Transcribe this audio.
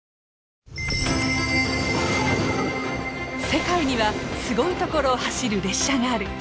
世界にはすごい所を走る列車がある。